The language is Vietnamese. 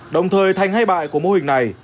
đồng thời thanh hay bại của mô hình này